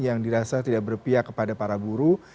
yang dirasa tidak berpihak kepada para buruh